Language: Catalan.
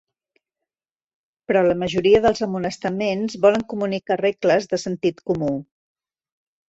Però la majoria dels amonestaments volen comunicar regles de sentit comú.